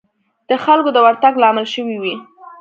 د خلکو د ورتګ لامل شوې وي.